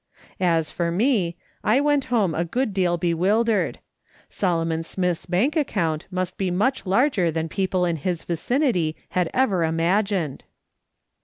As for me, I went home a good deal bewildered. Solomon Smith's bank account must be much larger than people in his vicinity had ever imagined.